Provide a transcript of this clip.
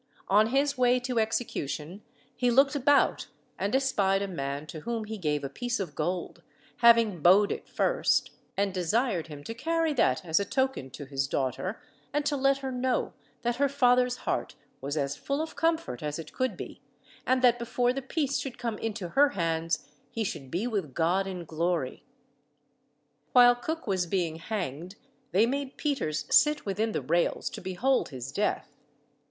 On his way to execution he looked about and espied a man to whom he gave a piece of gold, having bowed it first, and desired him to carry that as a token to his daughter, and to let her know that her father's heart was as full of comfort as it could be, and that before the piece should come into her hands he should be with God in glory. While Cook was being hanged they made Peters sit within the rails to behold his death.